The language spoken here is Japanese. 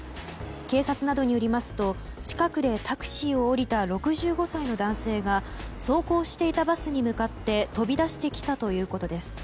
警察などによりますと近くでタクシーを降りた６５歳の男性が走行していたバスに向かって飛び出してきたということです。